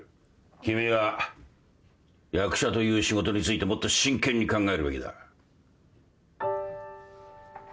君は役者という仕事についてもっと真剣に考えるべきだ。